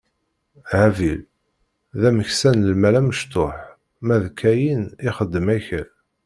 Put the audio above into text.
Habil, d ameksa n lmal amecṭuḥ, ma d Kayin ixeddem akal.